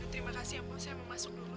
terima kasih ya bu saya mau masuk dulu